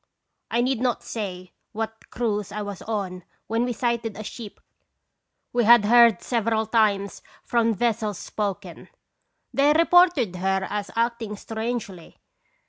I need not say what cruise I was on when we sighted a ship we had several times heard of from ves sels spoken. They reported her as 'acting strangely.'